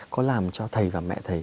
có làm cho thầy và mẹ thầy